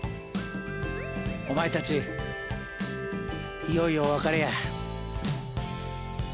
お前たちいよいよお別れや。